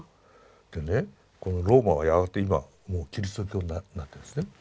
でねこのローマはやがて今もうキリスト教になってるんですね。